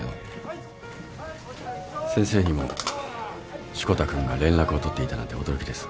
先生にも志子田君が連絡を取っていたなんて驚きです。